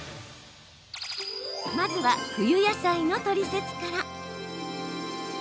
まずは、冬野菜のトリセツから。